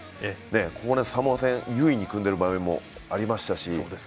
サモア戦、優位に組んでいる場面もありましたし。